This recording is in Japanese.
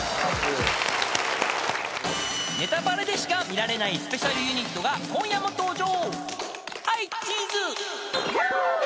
［『ネタパレ』でしか見られないスペシャルユニットが今夜も登場！］